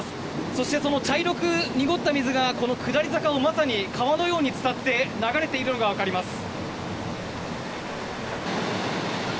そしてその茶色く濁った水がこの下り坂をまさに川のように伝って流れているのがわかります。